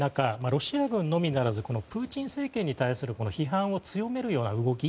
ロシア軍のみならずプーチン政権に対する批判を強めるような動き